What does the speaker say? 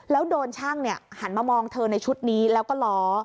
แล้วโดนช่างหันมามองเธอในชุดนี้แล้วก็ล้อ